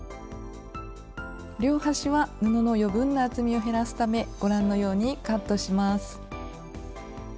両端は布の余分な厚みを減らすためご覧のようにカットします。